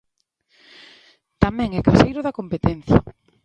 Tamén é caseiro da competencia.